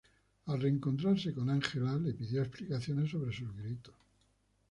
Al reencontrarse con Ángela, le pidió explicaciones sobre sus gritos.